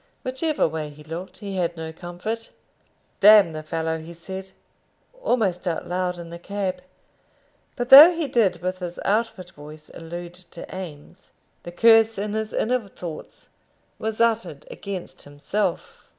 Whichever way he looked he had no comfort. "D the fellow!" he said, almost out loud in the cab; but though he did with his outward voice allude to Eames, the curse in his inner thoughts was uttered against himself.